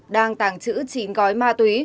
đang tàng trữ chín gói ma túy